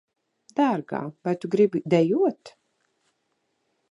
Dārgā, vai tu gribi dejot?